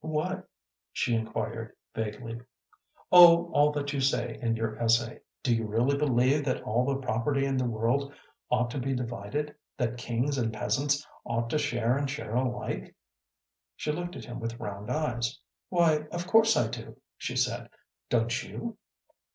"What?" she inquired, vaguely. "Oh, all that you say in your essay. Do you really believe that all the property in the world ought to be divided, that kings and peasants ought to share and share alike?" She looked at him with round eyes. "Why, of course I do!" she said. "Don't you?"